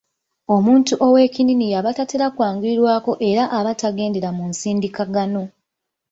Omuntu ow'ekinnini y'aba tatera kwanguyirwako era aba tagendera mu nsindikagano.